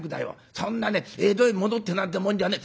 そんなね江戸へ戻ってなんてもんじゃねえ。